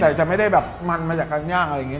แต่จะไม่ได้แบบมันมาจากการย่างอะไรอย่างนี้